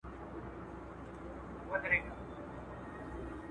د بدن حرکت ژوند دی.